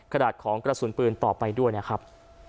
ดาดของกระสุนปืนต่อไปด้วยนะครับ